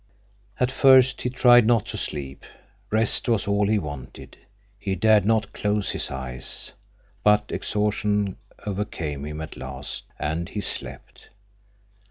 At first he tried not to sleep. Rest was all he wanted; he dared not close his eyes. But exhaustion overcame him at last, and he slept.